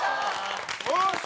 よし！